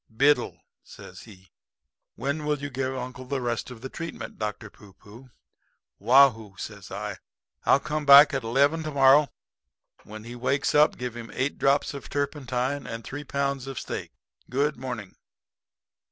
"'Biddle,' says he, 'When will you give uncle the rest of the treatment, Dr. Pooh pooh?' "'Waugh hoo,' says I. 'I'll come back at eleven to morrow. When he wakes up give him eight drops of turpentine and three pounds of steak. Good morning.'